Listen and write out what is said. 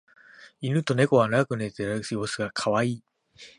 イヌとネコが仲良く寝ている様子がカワイイ